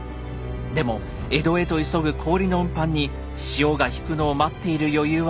でも江戸へと急ぐ氷の運搬に潮が引くのを待っている余裕はありません。